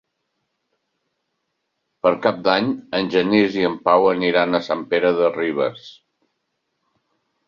Per Cap d'Any en Genís i en Pau aniran a Sant Pere de Ribes.